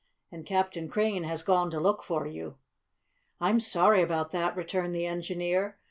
And Captain Crane has gone to look for you." "I'm sorry about that," returned the engineer.